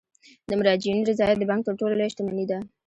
د مراجعینو رضایت د بانک تر ټولو لویه شتمني ده.